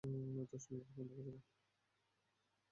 দশ মিনিটের মধ্যে পৌঁছে যাব।